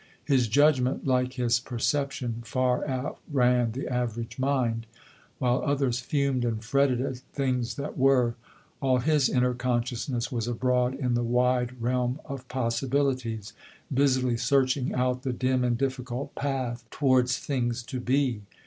His judgment, like his per ception, far outran the average mind. While others fumed and fretted at things that were, all his inner consciousness was abroad in the wide realm of pos sibilities, busily searching out the dim and difficult , path towards things to be.